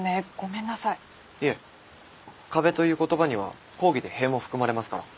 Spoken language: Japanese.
いえ壁という言葉には広義で塀も含まれますから。